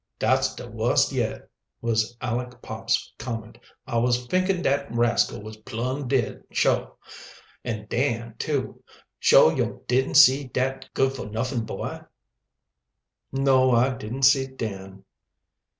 "Dat's de wust yet," was Aleck Pop's comment. "I was finkin' dat rascal was plumb dead, suah. And Dan, too! Suah yo' didn't see dat good fo' nuffin boy?" "No, I didn't see Dan."